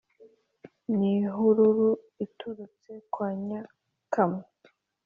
N’ ihururu iturutse kwa Nyakamwe.